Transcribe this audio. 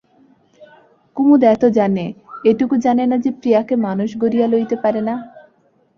কুমুদ এত জানে, এটুকু জানে না যে প্রিয়াকে মানুষ গড়িয়া লইতে পারে না।